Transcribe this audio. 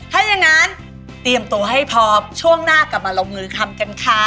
ถ้าอย่างนั้นเตรียมตัวให้พอช่วงหน้ากลับมาลงมือทำกันค่ะ